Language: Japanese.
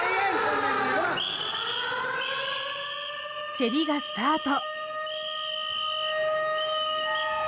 競りがスタート。